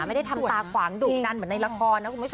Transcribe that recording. ไม่ได้ทำตาขวางดุดันเหมือนในละครนะคุณผู้ชม